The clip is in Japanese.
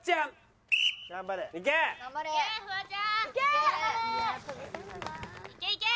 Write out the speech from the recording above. いけいけ！